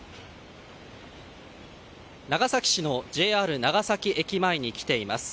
長崎市のＪＲ長崎駅前に来ています。